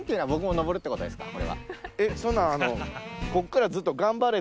えっそんなん。